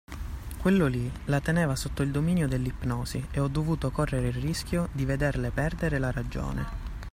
Quello lì la teneva sotto il dominio dell'ipnosi e ho dovuto correre il rischio di vederle perdere la ragione.